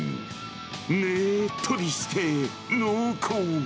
ねっとりして濃厚。